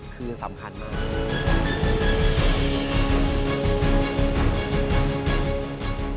คือท่านสำคัญมาก